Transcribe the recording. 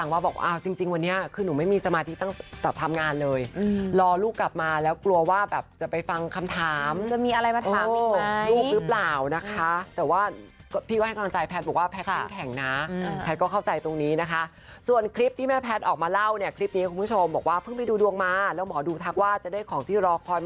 ว่าจริงวันนี้คือหนูไม่มีสมาธิตั้งแต่ทำงานเลยรอลูกกลับมาแล้วกลัวว่าแบบจะไปฟังคำถามจะมีอะไรมาถามอีกลูกหรือเปล่านะคะแต่ว่าพี่ก็ให้กำลังใจแพทย์บอกว่าแพทย์เข้มแข็งนะแพทย์ก็เข้าใจตรงนี้นะคะส่วนคลิปที่แม่แพทย์ออกมาเล่าเนี่ยคลิปนี้คุณผู้ชมบอกว่าเพิ่งไปดูดวงมาแล้วหมอดูทักว่าจะได้ของที่รอคอย